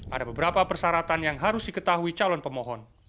ada beberapa persyaratan yang harus diketahui calon pemohon